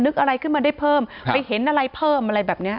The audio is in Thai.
อะไรขึ้นมาได้เพิ่มไปเห็นอะไรเพิ่มอะไรแบบนี้